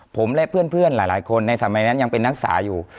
ผมและเพื่อนหลายคนในสมัยนั้นยังเป็นนักศึกษาอยู่